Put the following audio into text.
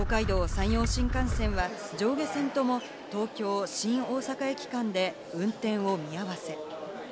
山陽新幹線は上下線とも東京ー新大阪駅間で運転を見合わせ。